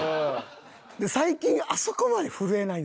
最近あそこまで震えないんですよ。